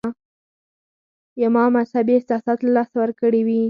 ما مذهبي احساسات له لاسه ورکړي وي.